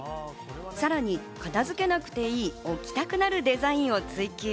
さらに片付けなくていい、置きたくなるデザインを追求。